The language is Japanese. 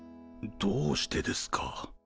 どうしてですか？